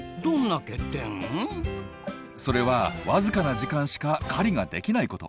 それは僅かな時間しか狩りができないこと。